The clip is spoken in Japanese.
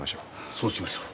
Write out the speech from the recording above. そうしましょう。